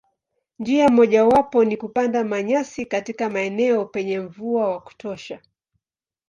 Njia mojawapo ni kupanda manyasi katika maeneo penye mvua wa kutosha.